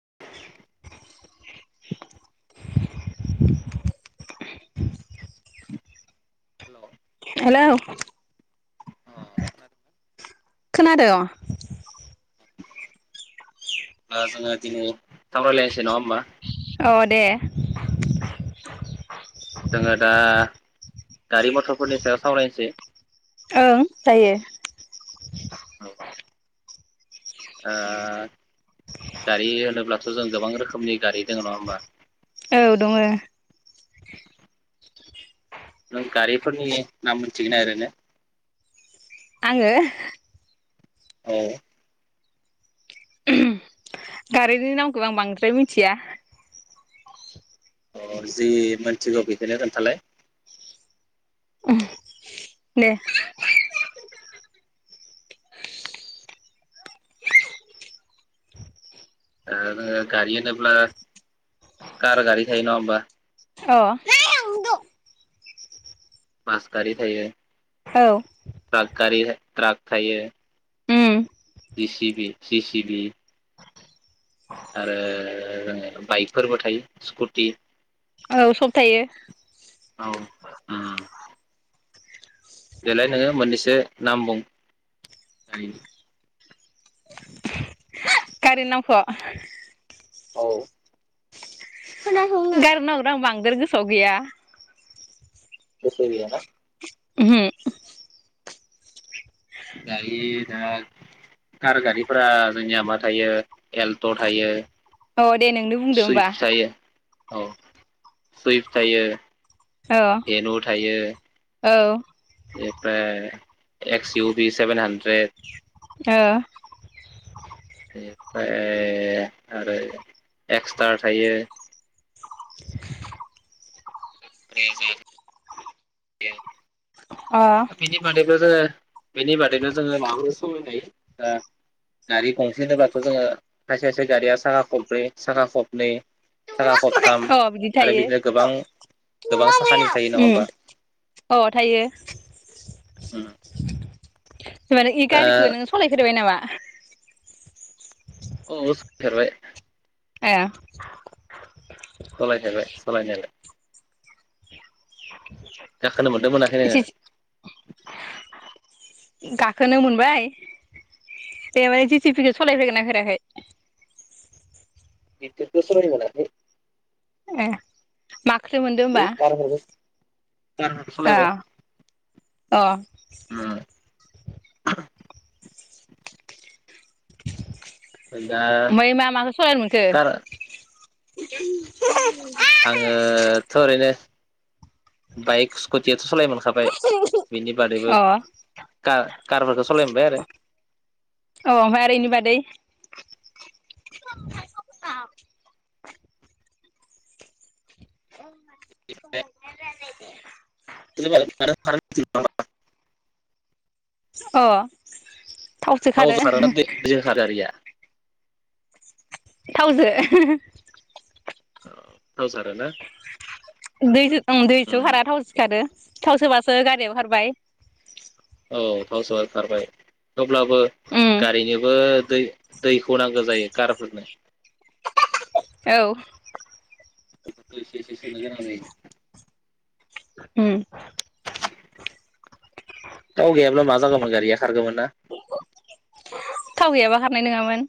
[inaudible] हेल' hello खोनादों हा जोङो दिनै सामरायलायनोसै नङा होमबा औ दे जोङो दा गारि मथरफोरनि सायाव सावरायनोसै ओं जायो ओ गारि होनोब्लाथ' जों गोबां रोखोमनि गारि दङ नङा होमबा औ दङ नों गारिफोरनि नाम मोनथिगोन ओरैनो आङो औ गारिनि नामखौ आं बांद्राय मिथिया अ जि मोनथिगौ बिखौनो खोन्थालाय दे ओ गारि होनोब्ला कार गारि थायो नङा होमबा अ [unintelligible] बासकारि थायो औ त्राग गारि त्राग थायो उम G C P P C B आरो बाइकफोरबो थायो स्कुटि औ सब थायो औ आ बेलाय नोङो मोननैसो नाम बुं गारिनि नामखो औ खोनासंनो [unintelligible] बांदेर गोसावआव गैया गोसोआव गैया ना ओमहो दायो दा कार गारिफोरा जोंनिया मा थायो एल्ट' थायो अ दे नोंनो बुंदो होमबा सुइफ्ट थायो औ सुइफ थायो औ देद' थायो औ ओ बेनिफ्राय एक्स इउ बि सेभेन हान्द्रेड ओ बेनिफ्राय आरो एक्सट्रा थायो [unintelligible] दे बेनि बादै बो जोङो बेनि बादैनो जोङो महो सायलायो गारि गंसे होनोबाथ' जोङो खायसे खायसे गारिया साखा खब्रै साखा खबनै साखा खबै अ बिदि थायो [unintelligible] गोबां साखानि थायो नङा होमबा उम अ थायो औ [inaudible] जेनबा बे गारिखौ नों सलायफेरोबाय नामा औ [inaudible] फेरबाय ए सालाय जाबाय सालायनायालाय गाखोनोमोन मोनाखै नोङो गाखोनो मोनबाय बे माने जिटिपिखौ सालायफेरगोनना फेराखै बिबदिथ' सलायनो मोनाखै मा ऐ कार फोरखो आ औ उम [unintelligible] दा ओमफ्राय मा माखौ सलायनो कार मोनखो [unintelligible] आङोथ' ओरैनो बाइक स्कुटियाथ' सालायोमोन खाबाय बिनि अ बादैबो कार कारफोरखौ सालायनो मोनबाय आरो औ ओमफ्राय आरो इनि बादै [unintelligible] [unintelligible] [unintelligible] [unintelligible] [unintelligible] अ थावसो खारो थावजो खारोना [unintelligible] खारो गारिया थावजो [unintelligible] थावजो खारोना दैजो ओम दैसो खारा थावजोसो खारो थाव सोबासो गारियाबो खारबाय औ थावसोबासो खारबाय अब्लाबो उम गारिनोबो दै दैखौ नांगौ जायो कारफोरनो औ [unintelligible] उम थाव गैयाब्ला मा जागौमोन गारिया खारगौमोन ना थाव गैयाबा खारनाय नङामोन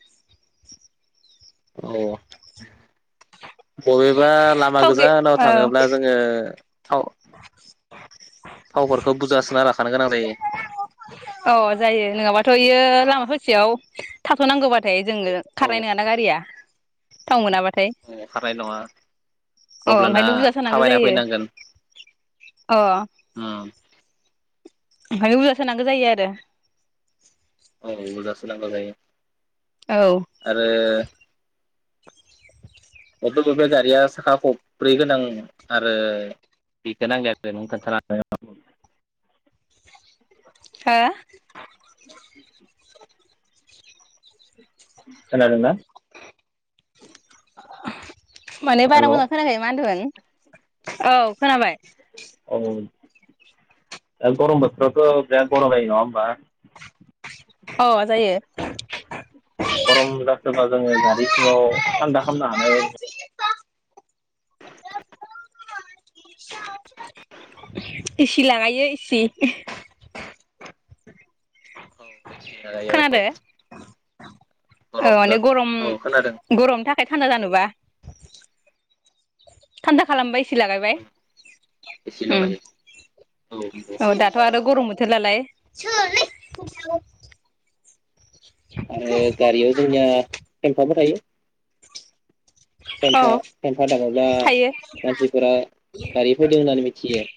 औ बबे बा लामा थाव गै गोजानाव थाङोब्ला जोङो थाव- थावफोरखौ बुरजा सोना ला [unintelligible] गोनां जायो अ जायो नङाबाथ' इयो लामा ससेयाव थाथ'नांगौबाथाय जोंनो औ खारनाय नङाना गारिया थाव मोनाबाथाय खारनाय नङा अ अब्लाना ओंखायनो बुरजा सोनांगौ थाबायना जायो फैनांगोन अ ओखाय बुरजा सोनांगौ जायो आरो औ [unintelligible] जायो औ आरो अथ' बे गारिया साखा खब्रै गोनां आरो बेखौ [unintelligible] हा खानादोंना [inaudible] माने बारा मोजां खोनायाखै मा होनदों औ खोनाबाय औ दा गरम बोथोरावथ बिराद गरम जायो नङा होनबा अ जायो गरम जाखोबा जोङो गारि सिङाव थान्दा खालामामनो हानाय एसि लागायो एसि हानाय औ खोनादो औ गरम माने गरम औ खोनादों गरमनि थाखाय थान्दा जानोबा [inaudible] थान्दा खालामबाय एसि लागायबाय एसेल' लायो औ नंगौ। औ दाथ' आरो गरम बो [unintelligible] आरो गारियाव जोंनिया फेमफाबो थायो औ फेमफा फेमफा दाङोब्ला थायो मानसिफोरा दारि फैदों होननानै मिथियो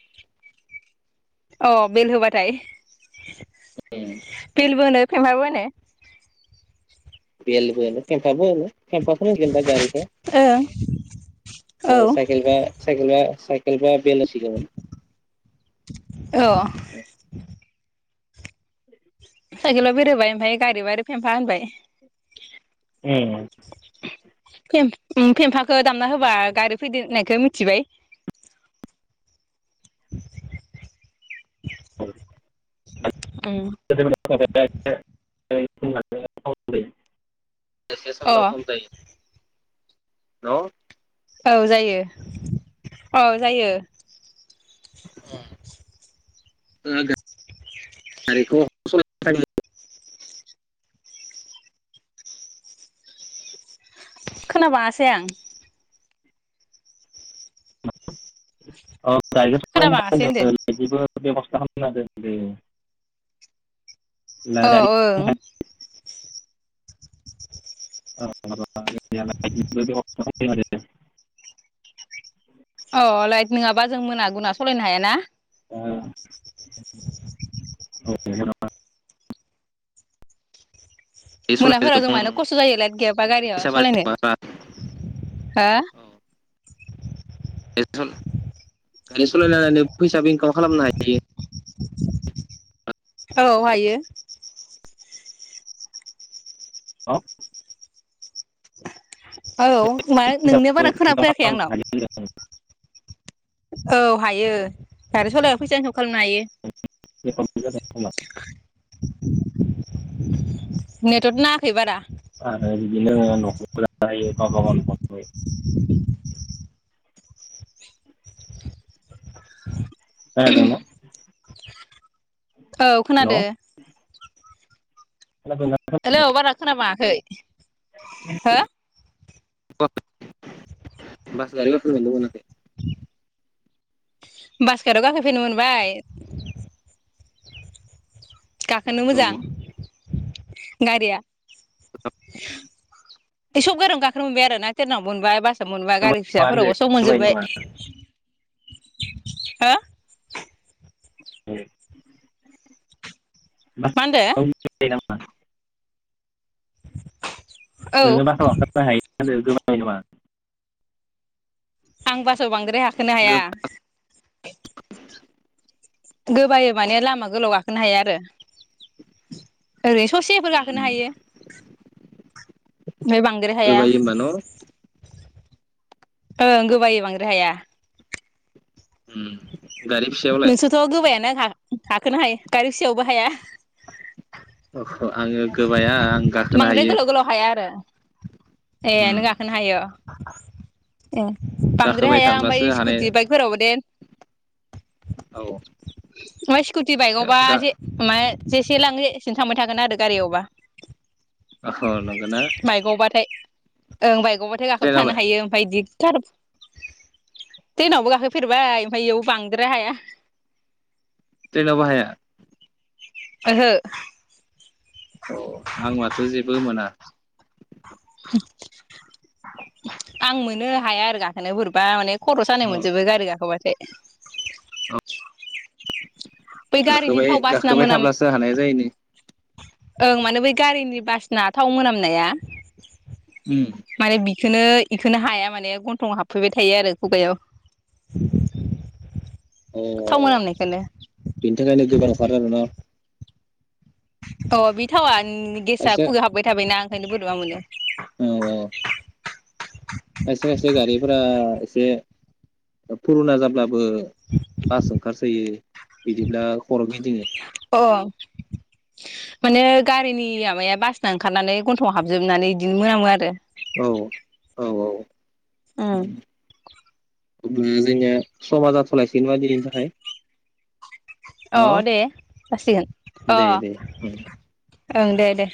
अ बेल होबाथाय बेलबो फेमफाबो नामा बेेलबो फेमफाबो केमपाफोर होनगोनदां गारिनिखौ ओं औ साइकेल बा साइकेल बा साइकेलबा बेल होसिगोमोन औ साइकेलाव बेलहोबाय ओमफ्राय गारियाव आरो फेफा होनबाय ए फेमफाखौ दामना होबा गारि फैदो होननायखौ मिथिबाय उम [unintelligible] [unintelligible] अ [unintelligible] ने औ जायो औ जायो गारिखौ खोनाबांआसै आं औ खोनाबाङासै होनदो [unintelligible] [unintelligible] अ ओं औ [inaudible] [unintelligible] अ लाइट नोङाबा जों मोना गुना सलायनो हायाना [unintelligible] मोनाफोर जों माने खस्थ' जायो लाइट गैयाबा गारियाव सलायनो बारा हो गारि सालायनानै फैसाबो इनकाम खालामनो हायो औ हायो [unintelligible] औ मा नोंनिया बारा खोनाफैयाखै आंनाव औ हायो आरो सलायाव फैसा एनसाव खालामनो हायो ब [unintelligible] नेटथ नांआखै बारा आरो बिदिनो न'ख खोनादों न औ खोनादों खोनादोंना हेलौ बार खोनाबांआखै हो [unintelligible] [unintelligible] बासकेटाव गाखोफेरनो मोनबाय गाखोनो औ मोजां गारिया [unintelligible] सब गोरियावनो गाखोनो मोनबाय आरो ना थेरनाव मोनबाय बास मोनबा गारि मा होनदो फिसाफोरावबो सब गोबाय मोनजोबबाय हा [unintelligible] मा होनदो [unintelligible] [unintelligible] औ नोङो माथाव खालामनो हायो होन गोबां [unintelligible] आं बासाव बांद्राय गाखोनो हाया [inaudible] गोबायो माने लामा गोलाव गाखो नों हाया आरो ओरैनो ससेफोर गाखोनो हायो ओमफ्राय बांद्राय हाया गोबायो होमबा न' ओं गोबायो बांद्राय हाया उम गारि फिसायावलाय नोंसोरथ' गोबाया ना हा-हाखोनो हायो गारि फिसायावबो हाया अ आङो गोबाया आं गाखोनो बांद्राय हायो गोलाव गोलाव हाया आरो ए उम नों गाखोनो हायो' ए बांद्राय गाखोबाय हाया थाब्लासो ओमफ्राय हानाय स्कुटि बाइकफोरावबो दे औ ओमफ्राय स्कुटि बाइकआवबा गा जे मा होनो जे से लाङो एसे थांबाय थागोन आरो गारियावबा ह नंगौ ना बाइकआवबाथाय ओं बाय गौबाथाय गाखोोब थानो हायो ओमफ्राय इदि त्रेन त्रेनवबो गाखोफेरबाय ओमफ्राय बेयाव बांद द्राय हाया त्रेनावबो हाया ओहो अ आं माथ' जेबो मोना आं मोनो हाया आरो गाखोनो बोरैबा माने खर' सानाय औ मोनजोबो गारि गाखोबाथाय औ बै गारिनि गाखोबाय थाव बासिना गाखोबाय मोनाम थाब्लासो हानाया जायो नो ओं माने बै गारिनि बास ना थाव मोनामनाया उम बेखौनो बेखौनो हाया माने गन्थं हाबफैबाय थायो आरो खुगायाव अ थाव मोनामनायखोनो बिनि थाखायनो गोबानो ओंखारो आरो न अ बि थावा उम गेसा खायसे खुगायाव हाबबाय थाबायना हायनो बोरैबा मोनदों औ खायसे खायसे गारिफोरा एसे फुरुना जाब्ला बो बास ओंखारसोयो बिदिब्ला खर' गिदिङो अ माने गारिनि माबाया बासना ओंखारनानै गन्थ'आव हाबजोबनानै इदिनो मोनामो आरो औ औ औ उम अब्ला जोंनिया समाज जाथ'लायसिगोनबा दिनैनि थाखाय अ न' दे जासिगोन अ दे दे उम ओं दे दे